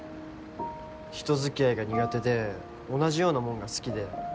人付き合いが苦手で同じようなもんが好きで。